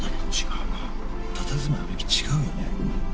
たたずまい雰囲気違うよね。